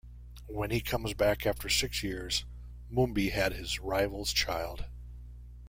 When he comes back after six years, Mumbi had his rival's child.